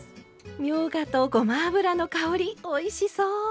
みょうがとごま油の香りおいしそう！